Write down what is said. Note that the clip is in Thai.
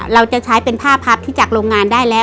เราจะใช้เป็นผ้าพับที่จากโรงงานได้แล้ว